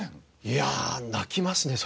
いやあ泣きますねそれは。